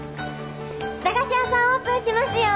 駄菓子屋さんオープンしますよ。